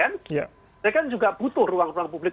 mereka kan juga butuh ruang ruang publik